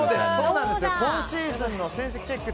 今シーズンの戦績チェック